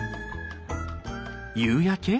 夕焼け？